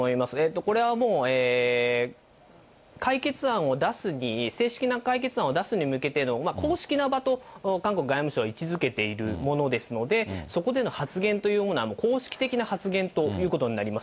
これはもう、解決案を出すに、正式な解決案を出すに向けての公式な場と韓国外務省は位置づけているものですので、そこでの発言というものは公式的な発言ということになります。